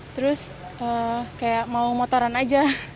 terus kayak mau motoran aja